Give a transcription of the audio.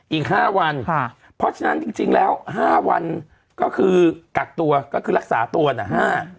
อีก๕วันเพราะฉะนั้นจริงแล้วห้าวันก็คือกักตัวก็คือรักษาตัวนะฮะ